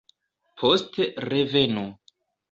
Poste revenu.